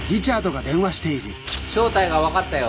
正体が分かったよ。